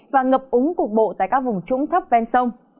và ngập úng cục bộ tại các vùng trũng thấp ven sông